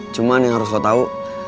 cuman yang harus lo tau